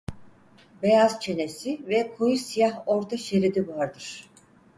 Beyaz çenesi ve koyu siyah orta şeridi vardır.